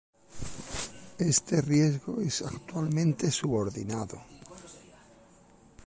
Este riesgo es actualmente subordinado..